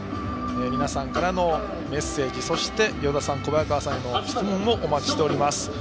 皆さんからのメッセージそして与田さん、小早川さんへの質問をお待ちしています。